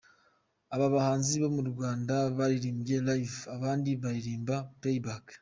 Abahanzi bo mu Rwanda baririmbye Live abandi baririmba PlayBack.